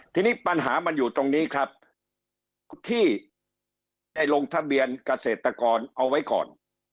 ทีนี้ปัญหามันอยู่ตรงนี้ครับที่ได้ลงทะเบียนเกษตรกรเอาไว้ก่อน